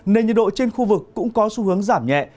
nền nhiệt độ trên khu vực cũng có xu hướng giảm nhẹ